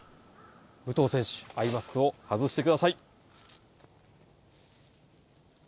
武藤選手、アイマスクを外してください。